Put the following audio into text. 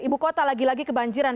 ibu kota lagi lagi kebanjiran